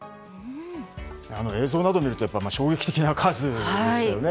映像などを見ると衝撃的な数でしたよね。